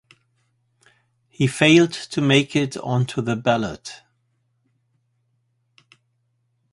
He failed to make it onto the ballot.